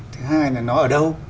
thứ hai là nó ở đâu